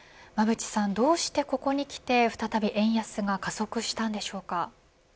どうしてここにきて再び円安が加速したのでしょうか。